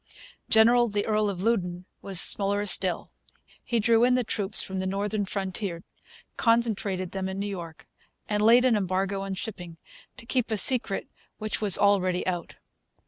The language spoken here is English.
General the Earl of Loudoun was slower yet. He drew in the troops from the northern frontier, concentrated them in New York, and laid an embargo on shipping to keep a secret which was already out.